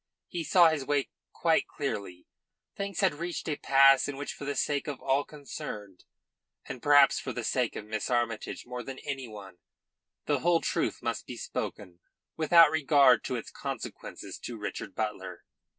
He saw his way quite clearly. Things had reached a pass in which for the sake of all concerned, and perhaps for the sake of Miss Armytage more than any one, the whole truth must be spoken without regard to its consequences to Richard Butler.